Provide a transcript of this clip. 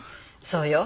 そうよ。